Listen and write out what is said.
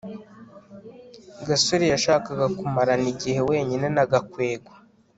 gasore yashakaga kumarana igihe wenyine na gakwego